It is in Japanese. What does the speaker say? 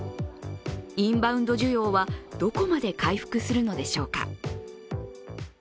インバウンド需要はどこまで回復するのでしょうか。